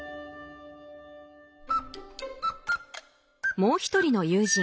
もう一人の友人Ｃ君。